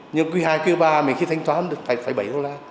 nhưng quý hai quý ba mình khi thanh toán được bảy bảy đô la